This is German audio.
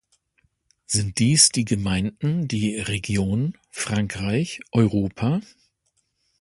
Sind es die Gemeinden, die Region, Frankreich, Europa?